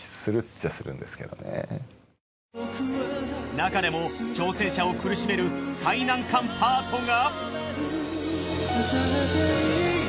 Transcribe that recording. なかでも挑戦者を苦しめる最難関パートが。